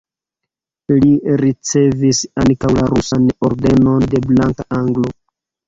Li ricevis ankaŭ la rusan Ordenon de Blanka Aglo.